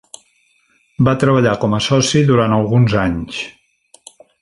Va treballar com a soci durant "alguns anys".